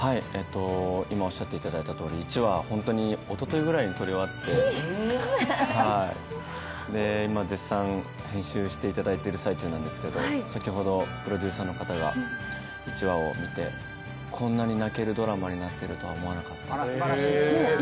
今、おっしゃっていただいたとおり、１話をおとといぐらいに撮り終わって今、絶賛、編集していただいている最中なんですけど、先ほどプロデューサーの方が１話を見て、こんなに泣けるドラマになってるとは思わなかったって。